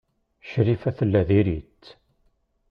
Crifa tella diri-tt.